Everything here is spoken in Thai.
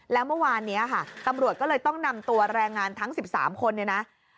แล้วเมื่อวานนี้ค่ะตำรวจก็เลยต้องนำตัวแรงงานทั้ง๑๓คนเนี่ยนะ